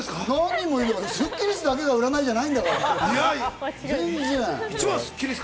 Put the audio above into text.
スッキりすだけが占いじゃないから！